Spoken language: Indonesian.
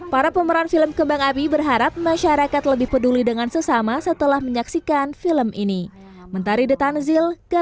para pemeran film kembang api berharap masyarakat lebih peduli dengan sesama setelah menyaksikan film ini